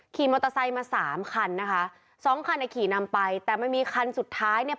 ขี่มอเตอร์ไซค์มา๓คันนะคะ๒คันเนี่ยขี่นำไปแต่ไม่มีคันสุดท้ายเนี่ย